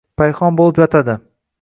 payhon bo‘lib yotadi.